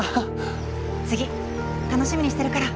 次楽しみにしてるから。